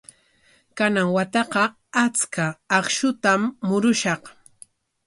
Kanan wataqa achka akshutam murushaq.